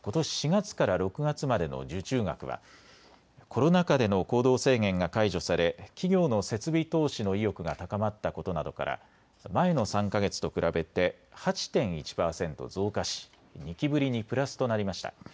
４月から６月までの受注額はコロナ禍での行動制限が解除され企業の設備投資の意欲が高まったことなどから前の３か月と比べて８．１％増加し２期ぶりにプラスとなりました。